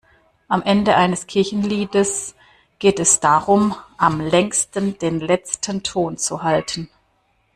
Am Ende eines Kirchenliedes geht es darum, am längsten den letzten Ton zu halten.